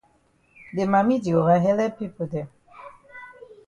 De mami di ova helep pipo dem.